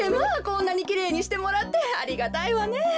こんなにきれいにしてもらってありがたいわねえ。